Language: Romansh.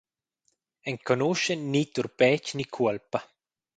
Enconuschan ni turpetg ni cuolpa.